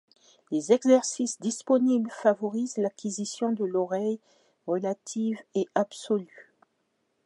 Les exercices disponibles favorisent l’acquisition de l’oreille relative et absolue.